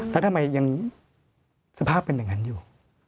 แล้วทำไมยังสภาพเป็นอย่างนั้นอยู่